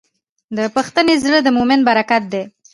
د بښنې زړه د مؤمن برکت دی.